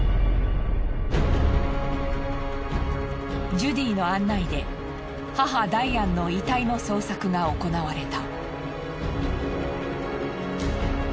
ジュディの案内で母ダイアンの遺体の捜索が行われた。